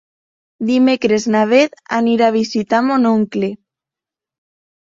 Dimecres na Beth anirà a visitar mon oncle.